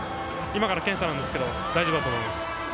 今から検査なんですけど、大丈夫だと思います。